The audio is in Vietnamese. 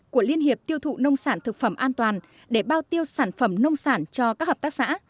của liên hiệp tiêu thụ nông sản thực phẩm an toàn để bao tiêu sản phẩm nông sản cho các hợp tác xã